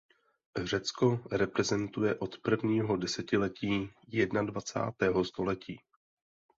Řecko reprezentuje od prvního desetiletí jednadvacátého století.